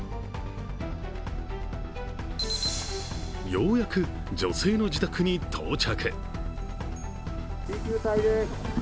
ようやく女性の自宅に到着。